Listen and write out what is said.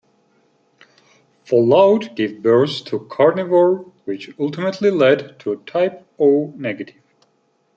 Fallout gave birth to Carnivore which ultimately led to Type O Negative.